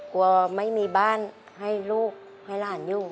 กลัวไม่มีบ้านให้ลูกให้หลานอยู่